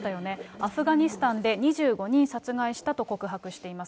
アフガニスタンで２５人殺害したと告白しています。